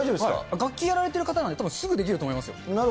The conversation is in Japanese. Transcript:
楽器やられている方なんで、たぶんすぐできると思いますよ。